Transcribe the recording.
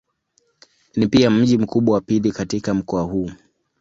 Ni pia mji mkubwa wa pili katika mkoa huu.